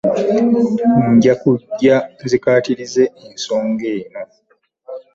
Nja kujja nzikaatirize ensonga eno.